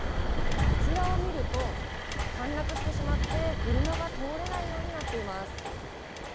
あちらを見ると陥落してしまって車が通れないようになっています。